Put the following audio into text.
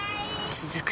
続く